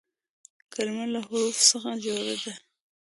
کلیمه له حروفو څخه جوړه ده.